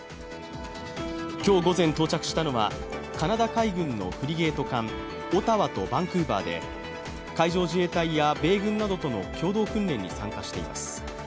今日午前到着したのはカナダ海軍のフリゲート艦、「オタワ」と「バンクーバー」で海上自衛隊やアメリカ軍などとの共同訓練に参加しています。